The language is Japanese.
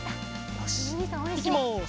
よしいきます。